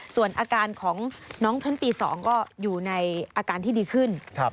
ส่วนอาการของน้องเพ้นปี๒ก็อยู่ในอาการที่ดีขึ้น